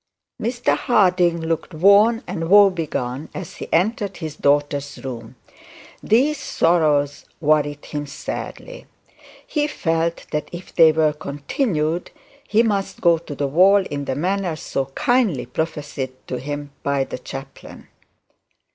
Mr Harding looked worn and woebegone as he entered his daughter's room. These sorrows worried him sadly. He felt that if they were continued he must go to the wall in a manner so kindly prophesied to him by the chaplain.